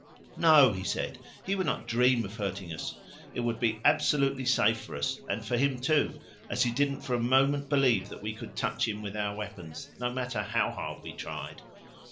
No, he said, he would not dream of hurting us: it would be absolutely safe for us, and for him too, as he didn't for a moment believe that we could touch him with our weapons, no matter how hard we tried.